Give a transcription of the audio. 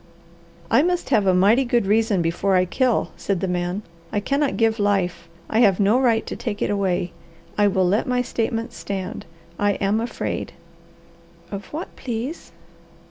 "I must have a mighty good reason before I kill," said the man. "I cannot give life; I have no right to take it away. I will let my statement stand. I am afraid." "Of what please?"